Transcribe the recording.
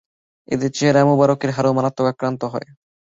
এতে চেহারা মুবারকের হাড়ও মারাত্মক আক্রান্ত হয়।